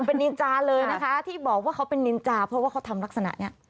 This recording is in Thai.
เป็นนินจาเลยนะคะที่บอกว่าเขาเป็นนินจาเพราะว่าเขาทำลักษณะนี้